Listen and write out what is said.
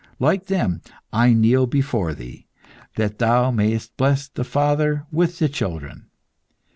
Like them, I kneel before thee, that thou mayest bless the father with the children.